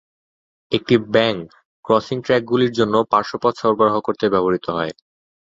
একটি ব্যাঙ ক্রসিং ট্র্যাকগুলির জন্য পার্শ্বপথ সরবরাহ করতে ব্যবহৃত হয়।